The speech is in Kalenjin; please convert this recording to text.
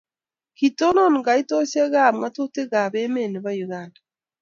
Kitonon kaitoshek ab ngatutik ab emet nebo Uganda